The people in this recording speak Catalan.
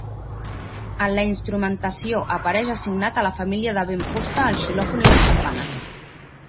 En la instrumentació apareix assignat a la família de vent-fusta, el xilòfon i les campanes.